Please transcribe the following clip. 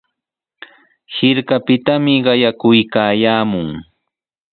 Hirkapitami qayakuykaayaamun.